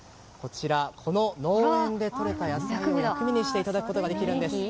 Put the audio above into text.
この農園でとれた野菜を薬味にしていただくことができるんです。